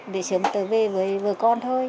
để sớm tới về với vợ con thôi